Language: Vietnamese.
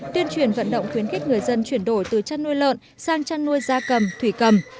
tuyên truyền vận động khuyến khích người dân chuyển đổi từ chăn nuôi lợn sang chăn nuôi da cầm thủy cầm